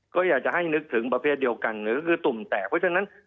ก็อยากจะให้นึกถึงประเภทเดียวกันก็คือตุ่มแตกเพราะฉะนั้น